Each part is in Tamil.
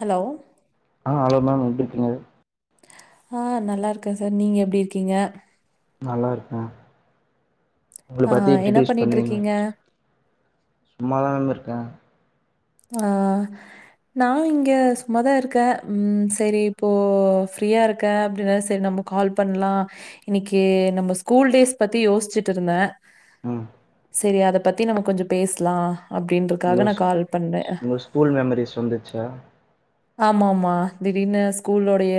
ஹலோ ஆஹ் ஹலோ மேம் எப்டிருக்கீங்க ஆஹ் நல்லா இருக்கன் சார் நீங்க எப்டி இருக்கீங்க நல்லா இருக்க உங்கள ஆ பத்தி என்ன இன்ட்ரிடியூஸ் பண்ணிங்க பண்ணிட்டுருக்கீங்க? சும்மாதாங்க இருக்க ஆஹ் நா இங்க சும்மாதா இருக்க உம் செரி இப்போ ஃப்ரீயா இருக்க அப்டினால செர் நம்மோ கால் பண்லா இன்னிக்கே நம்ம ஸ்கூல் டேஸ் பத்தி யோஸ்சிட் இருந்த உம். செரி அத பத்தி நம்ம கொஞ்சோ பேசலா அப்படின்றதுக்காக உங்க நான் கால் உங்க ஸ்கூல் மெமரிஸ் வந்துச்சா ஆமா ஆமா திடீர்னு ஸ்கூலோடைய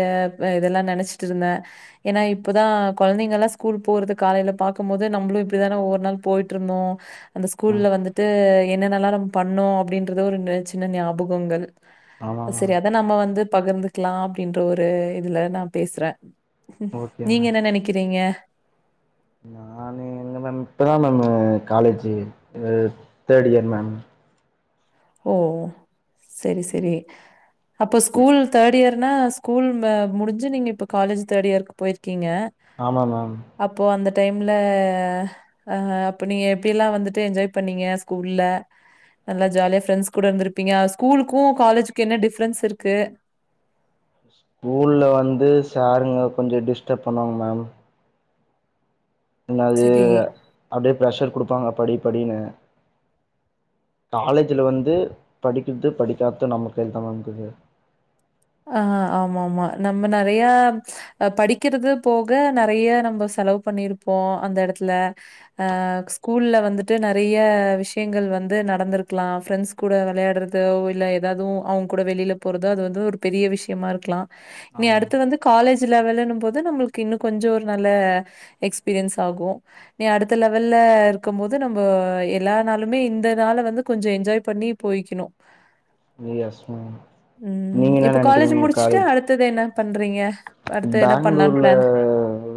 இதெல்லாம் நினைச்சிட்டு இருந்தேன் ஏன்னா இப்பதான் குழந்தைங்க எல்லாம் ஸ்கூல் போறது காலையில பாக்கும் போது நம்மளும் இப்டிதானே ஒவ்வொரு நாள் போயிட்டு இருந்தோம் அந்த ம் ஸ்கூல்ல வந்துட்டு என்னன்னல்லா நம்ம பண்ணோம் அப்படின்றத ஒரு சின்ன ஞாபகங்கள். ஆமா சரி மேம் அத நம்ம வந்து. பகிர்ந்துக்கலாம் அப்படின்ற ஒரு இதுல நான் பேசுறேன். ஓகே நீங்க மேம் என்ன நெனைக்கிறீங்க. நானு எங்க மேம் இப்பதான் ma'am college third year ma'am. ஓ சேரி சேரி அப்ப ஸ்கூல் தேர்ட் இயர்னா ஸ்கூல் முடிஞ்சு நீங்க இப்ப காலேஜ் தேர்ட் இயர்க்கு போயிர்க் க்கீங்க ஆமா மேம் அப்போ அந்த டைம்ல அப்ப நீங்க எப்படிய எல்லா வந்துட்டு என்ஜாய் பண்ணீங்க ஸ்கூல்ல நல்ல ஜாலியா பிரண்ட்ஸ் கூட இருந்திருப்பீங்க ஸ்கூலுக்கும் காலேஜக்கும் என்ன டிஃப்ரென்ஸ் இருக்கு ஸ்கூல்ல வந்து சாருங்க கொஞ்ச டிஸ்டர்ப் பண்ணுவாங்க மேம் என்ன அது சரி. அப்டியே ப்ரஷர் குடுப்பாங்க படி ப்படினு காலேஜ்ல வந்து படிக்குறது படிக்காது நம்ம கையில தான் இருக்கு ஆஹ ஆமா ஆமா நம்ம நிறைய படிக்கிறது போக நிறைய நம்ம செலவு பண்ணிருப்போம் அந்த எடத்துல அஹ ஸ்கூல்ல வந்துட்டு நிறைய விஷயங்கள் வந்து நடந்திருக்கலாம் ஃப்ரெண்ட்ஸ் கூட விளையாடுறதோ இல்ல ஏதாவது அவங்க கூட வெளியில போறதோ அது வந்து பெரிய விஷயமா இருக்கலாம் இனி ஆமா அடுத்து வந்து காலேஜ் சு லெவல்லங்கும் போது நம்மளுக்கு இன்னும் கொஞ்சம் ஒரு நல்ல எக்ஸ்பீரியன்ஸ் ஆகும் நீ அடுத்த லெவல்ல இருக்கும் போது நம்ம எல்லா நாளுமே இந்த நாள வந்து கொஞ்சம் என்ஜாய் பண்ணி போயிக்கணும். எஸ் மேம் நீங்க என்ன இப்ப காலேஜ் நெனைக்கிறீங்க முடிச்சுட்டு காலேஜ் அடுத்தது என்ன பண்றீங்க? அடுத்து என்ன பண்ணலான்னு பேங்களூர்ல பிளான்?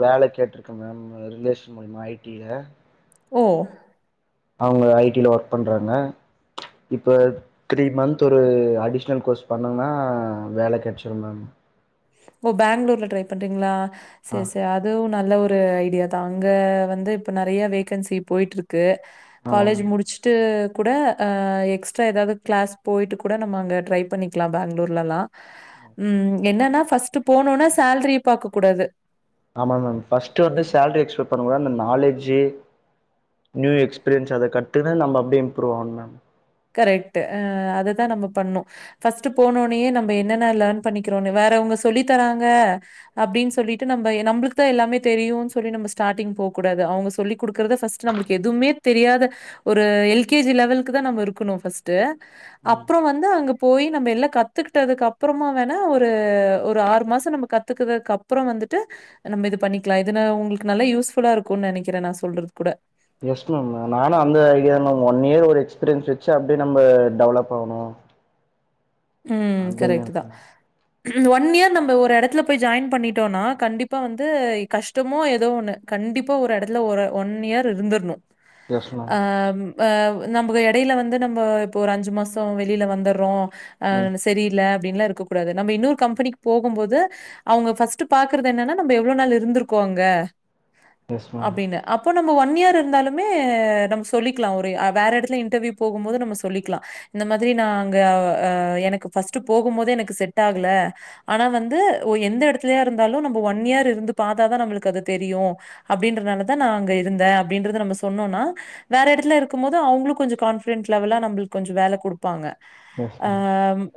வேலை கேட்டிருக்க மேம் ரிலேஷன் மூலயமா ஐடில ஓ. அவுங்க ஐ டி ல ஒர்க் பண்றாங்க இப்போ த்ரீ மந்த் ஒரு அடிஷ்னல் கோர்ஸ் பண்ணுனோனா வேல கெடச்சிரு மேம். ஓ பேங்களூர்ல ட்ரை பண்றீங்ளா. சரி சரி அது ஒன். நல்ல ஒரு ஐடியாதான் அங்க வந்து இப்போ நிறைய வேகன்சி போய்டட்டுருக்கு ஆமா காலேஜ் மேம் முடிச்சுட்டு கூட எக்ஸ்ட்ரா ஏதாவது கிளாஸ் போயிட்டு கூட நம்ம அங்க ட்ரை பண்ணிக்கலாம் பேங்களூர்லல்லாம். ம் என்னன்னா. ஃபஸ்ட்டு போனொன சேலரிய பார்க்க கூடாது. ஆமா மேம் ஃபஸ்ட்டு வந்து சேலரி எக்ஸ்பெக்ட் பண்ண கூடாது. நாலேஜு நியூ எக்ஸ்பீரியன்ஸ் அத கட்டுனு நம்ம அப்டியே இம்ப்ரூவ் ஆகணும் மேம். கரெக்ட்டு ஹ அதுதான் நம்ம பண்ணும் ஃபர்ஸ்ட்டு போனோனே நம்ம என்னென்ன லேர்ன் பண்ணிக்கிறோனு வேற அவங்க சொல்லி தராங்க அப்டின்னு சொல்லிட்டு நம்ம நம்பளுக்கு தான் எல்லாமே தெரியும்ன்னு சொல்லி நம்ம ஸ்டார்ட்டிங்ள போக கூடாது. அவங்க சொல்லி குடுக்கறத ஃபஸ்ட்டு நம்மளுக்கு எதுவுமே தெரியாத ஒரு எல் கே ஜி லெவல்கக்கு தான் நம்ம. இருக்கணு ஃபர்ஸ்ட்டு. ம் அப்புறம் வந்து அங்க போய் நம்ம எல்லாம் கத்துக்கிட்டதுக்கு அப்புறமா வேணா ஒரு ஒரு ஆறு மாசம் நம்ம கத்துக்கதுக்கு அப்புறம் வந்துட்டு நம்ம இது பண்ணிக்கலா இதுன உங்களுக்கு நல்லா யூஸ்ஃபுல்லா இருக்குனு நெனைக்கிறேன் நான் சொல்றது கூட எஸ் மேம் நானு அந்த ஐடியாலதா மேம் ஒன் இயர் ஒரு எக்ஸ்பீரியன்ஸ் வச்சு அப்டியே நம்ம டெவலப் ஆகணும். உம் கரெக்ட் தான் ஒன் இயர் நம்ம ஒரு எடத்துல போய் ஜாயின் பண்ணிட்டோனா கண்டிப்பா வந்து கஷ்டமோ ஏதோ ஒண்ணு கண்டிப்பா ஒரு எடத்துல ஒரு ஒன் இயர் இருந்துர்ணும் எஸ் மேம் ஆஹ் அஹ் நம்மக்கு இடையில வந்து நம்போ இப்போ ஒரு அஞ்சு மாசம் வெளில வந்தற்றோம் ம் ஆஹ் சரியில்ல அப்டின்லாம் இருக்கக்கூடாது நம்ப இன்னோரு கம்பனிக்கு போகும்போது அவுங்க ஃபஸ்டு பாக்றது என்னான்ன நம்ப எவ்ளோ நாள் இருந்திருக்கோம் அங்க எஸ் மேம் அப்டின்னு அப்போ நம்ம ஒன் இயர் இருந்தாலுமே நம்ம சொல்லிக்லாம் ஒரு வேற இடத்துல இன்டர்வியூ போகும் போது நம்ம சொல்லிக்கலாம் இந்த மாதிரி நான் அங்க அஹ் எனக்கு ஃபஸ்ட் போகும் போதே எனக்கு செட் ஆகல ஆனா வந்து ஒ எந்த இடத்துலயா இருந்தாலு நம்ம ஒன் இயர் இருந்து பாத்தாதான் நம்மளுக்கு அது தெரியும் அப்டின்றனாலதான் நான் அங்க இருந்தேன் அப்டின்றது நம்ம சொன்னோனா வேற இடத்துல இருக்கும் போது அவுங்களும் கொஞ்சோ கான்பிடன்ட் லெவல்லா நம்மளுக்கு கொஞ்சம் வேல குடுப்பாங்க. எஸ் அ மேம்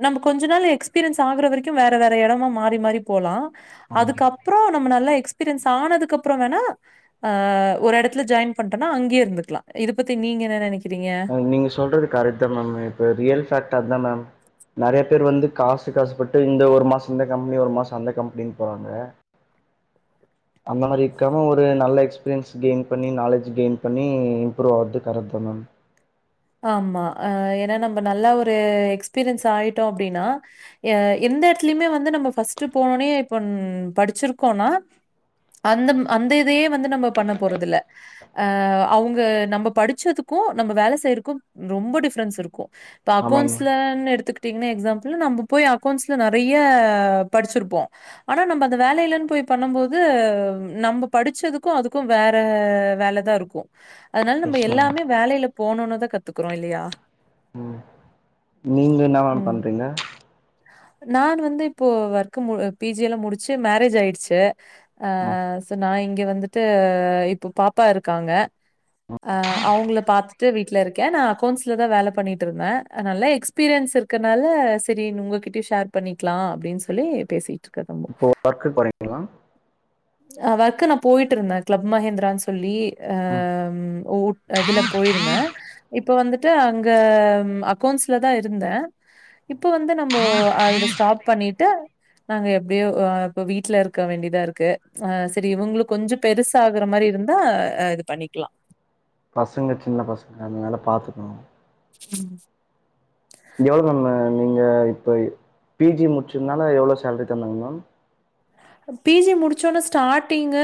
நம்ம கொஞ்ச நாள் எக்ஸ்பீரியன்ஸ் ஆகுற வரைக்கும் வேற வேற இடமா மாறி மாறி போலாம் ஆமா அதுக்கப்புறம் நம்ம நல்லா எக்ஸ்பீரியன்ஸ் ஆனதுக்கு அப்புறம் வேணா ஒரு இடத்துல ஜாய்ன் பண்டோனா அங்கயே இருந்துக்கலாம் இத பத்தி நீங்க என்ன நெனைக் மேம் நீங்க சொல்றது கரெக்ட் தான் மேம் இப்ப ரியல்பேக்ட் அதான் மேம். நெறைய பேர் வந்து காசுக்கு ஆசபட்டு இந்த ஒரு மாசம் இந்த கம்பெனி ஒரு மாசம் அந்த கம்பெனினு போவாங்க அந்த மாரி இருக்காம ஒரு நல்ல எக்ஸ்பீரியன்ஸ் கெய்ன் பண்ணி நாலேஜ் கெய்ன் பண்ணி இம்ரூவ் ஆகுறது கரக்ட் தான் மேம் ஆமா ஆஹ் ஏன்னா நம்ம நல்ல ஒரு எக்ஸ்பீரியன்ஸ் ஆயிட்டோம் அப்டின்னா எ எந்த இடத்துலயுமே வந்து நம்ம ஃபஸ்டு போனோனே இப்போ படிச்சிருக்கோனா அந்த அந்த இதையே வந்து நம்ம பண்ண போறது இல்ல அஹ் அவுங்க நம்ம படிச்சதுக்கும் நம்ம வேலை செய்ற க்கும் ரொம்ப டிஃப்ரன்ஸ் இருக்கும் இப்ப ஆமாங்க மேம் அக்கௌன்ட்லனு எடுத்துக் தின்ன எக்ஸாம்பிள் நம்ப போய் அக்கௌண்ட்ஸ்ல நெறைய படிச்சிருப்போம். ஆனா நம்ம அந்த வேலைலன்னு போய் பண்ணும் போது நம்ம படிச்சதுக்கும் அதுக்கும் வேற வேலை தான் இருக்கும். அதுனால நம்ம எல்லாமே வேலையில போணோனே தான் கத் உம் நீங்க என்னா மேம் ம். பண்றீங்க நான் வந்து இப்போ ஒர்கு மு பி ஜி எல்லாம் முடிச்சு மேரேஜ் ஆய்டுச்சு ம் அஹ் சோ நான் இங் க வந்துட்டு இப்ப பாப்பா இருக்காங்க ஆஹ் அவுங்கள பாத்துட்டு வீட்ல இருக்கே கே நான் அக்கௌன்ஸ்ல தான் வேலை பண்ணிட்டு இருந்தேன் நல்ல எக்ஸ்பீரியன்ஸ் இருக்கனால சரின்னு உங்ககிட்டயும் ஷேர் பண்ணிக்கலாம் அப்டின்னு சொல்லி பேசிட் இப்போ ஒர்கு போறீங்களா ஆஹ் ஒர்க் நான் போய்ட்டு இருந்தேன் கிளப் மஹேந்திரான்னு சொல்லி ஆஹ் ம் உ இதுல போயிருந்தேன் இப்போ வந்துட்டு அங்க அக்கௌன்ட்ஸ்ல தான் இருந்தேன் இப்போ வந்து நம்போ அதுல ஸ்டாப் பண்ணிட்டு நாங்க எப்டியோ இப்ப வீட்ல இருக்க வேண்டிதா இருக்கு ஆஹ் சரி இவுங்களு கொஞ்சோ பெருசாகுற மாரி இருந்தா ஆஹ் இது பண்ணிக்கலாம் பசங்க சின்ன பசங்க அதுனால பாத்துக்கங்க உம் எவ்ளோ மேம் நீங்க இப்ப பி ஜி முடிச்சதுனால எவ்ளோ சேலரி தந்தாங்க மேம் பி ஜி முடிச்சோனே ஸ்டாடிங்கு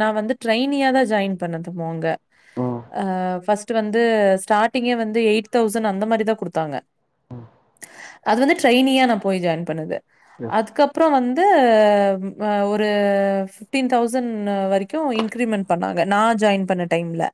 நான் வந்து டிரைனியா தான் ஜாய்ன் பண்ணது போங்க ம் ஃபஸ்டு வந்து ஸ்டார்டிங்கே வந்து எய்ட் தவுசண்ட் அந்த மாரி தான் குடுத்தாங்க. அது வந்து டிரைனியா நா போய் ஜாய்ன் பண்ணது. எஸ் அதுக்கப்புறம் வந் து ஒரு ஃபிப்டின் தவுசன்ட் வரைக்கும் இங்கிரிமென்ட் பண்ணாங்க நான் ஜாய்ன் பண்ண டைம்ல.